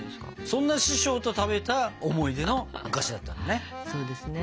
そんな師匠と食べた思い出のお菓子だったんだね。